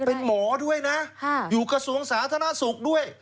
เป็นหมอด้วยนะอยู่กระทรวงสาธารณสุขด้วย